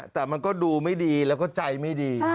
แต่มันก็ดูไม่ดีแล้วก็ใจไม่ดี